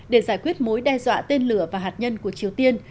để giải quyết mối đe dọa tên lửa và hạt nhân của triều tiên